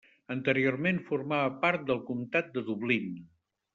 Anteriorment formava part del Comtat de Dublín.